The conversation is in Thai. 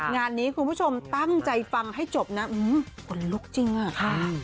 งานนี้คุณผู้ชมตั้งใจฟังให้จบนะขนลุกจริงอ่ะค่ะ